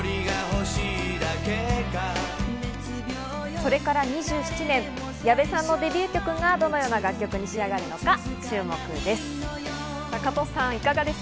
それから２７年、矢部さんのデビュー曲がどのような楽曲に仕上がるのか注目です。